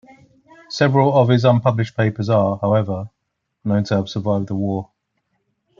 Several of his unpublished papers are, however, known to have survived the war.